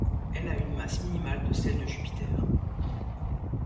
Elle a une masse minimale de celle de Jupiter.